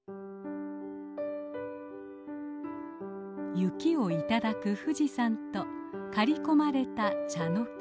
雪を頂く富士山と刈り込まれたチャノキ。